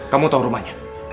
kamu tau rumahnya